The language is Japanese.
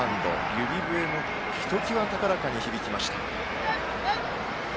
指笛もひときわ高らかに響きました。